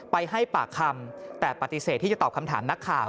ไปให้ปากคำแต่ปฏิเสธที่จะตอบคำถามนักข่าว